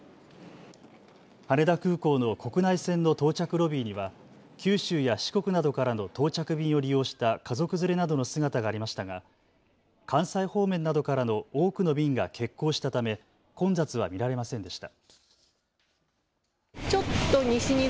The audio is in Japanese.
羽田空港の国内線の到着ロビーには九州や四国などからの到着便を利用した家族連れなどの姿がありましたが関西方面などからの多くの便が欠航したため混雑は見られませんでした。